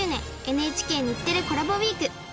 ＮＨＫ×日テレコラボウィーク。